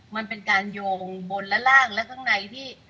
มันเป็นการโยงบนและล่างและข้างในที่